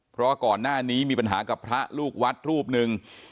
เพราะก่อนหน้านี้มีปัญหากับพระลูกวัดรูปหนึ่ง